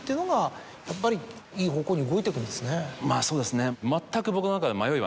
まぁそうですね。